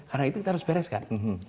karena itu kita harus bereskan